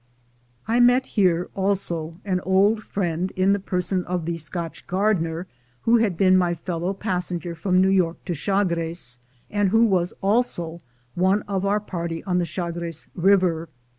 I met here also an old friend in the person of the Scotch gardener who had been my fellow passenger from New York to Chagres, and who was also one of our party on the Chagres River.